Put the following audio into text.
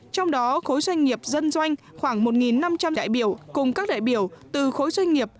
trong đó khối doanh nghiệp dân doanh khoảng một năm trăm linh đại biểu cùng các đại biểu từ khối doanh nghiệp